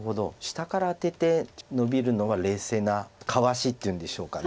下からアテてノビるのは冷静なかわしっていうんでしょうか。